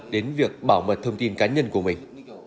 đến việc bảo mật thông tin cá nhân của mình